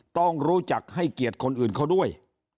ต้องรู้จักให้เกียรติคนอื่นเขาด้วย